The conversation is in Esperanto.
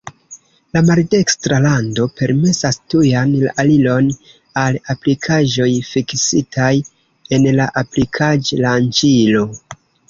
La maldekstra rando permesas tujan aliron al aplikaĵoj fiksitaj en la aplikaĵ-lanĉilo.